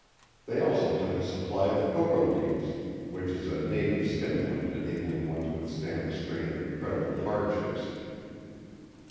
They also took a supply of coca leaves, which is a native stimulant enabling one to withstand the strain of incredible hardships.